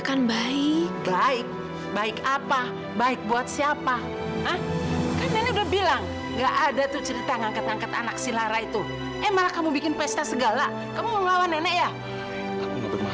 sampai jumpa di video selanjutnya